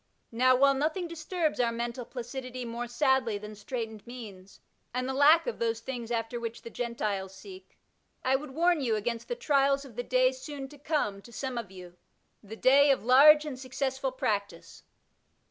Now, while nothing disturbs our mental placidity more sadly than straightened means, and the lack of those things after which the Gentiles seek, I would warn you against the trials of the day soon to come to some of you — ^the day of large and successful practice.